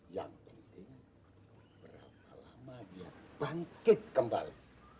yang penting berapa lama dia bangkit kembali